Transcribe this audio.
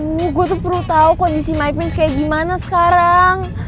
gue tuh perlu tau kondisi my prince kayak gimana sekarang